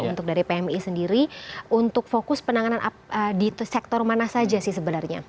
untuk dari pmi sendiri untuk fokus penanganan di sektor mana saja sih sebenarnya